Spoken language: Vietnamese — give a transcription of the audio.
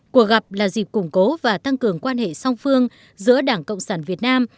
cuộc gặp là dịp củng cố và tăng cường quan hệ song phương giữa đảng cộng sản việt nam